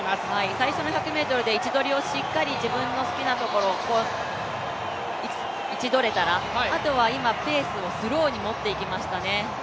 最初の１００ｍで位置取りを、しっかり自分の好きなところを位置取れたらあとは今、ペースをスローに持っていきましたね。